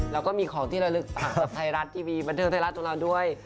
แล้วก็มีของที่ระลึกฝากจากไทยรัฐทีวีบันเทิงไทยรัฐของเราด้วย